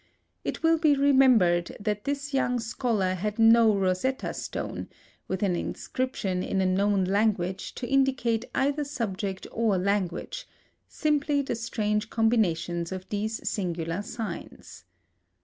It will be remembered that this young scholar had no Rosetta Stone, with an inscription in a known language to indicate either subject or language; simply the strange combinations of these singular signs.